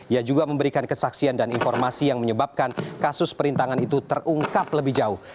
ia juga memberikan kesaksian dan informasi yang menyebabkan kasus perintangan itu terungkap lebih jauh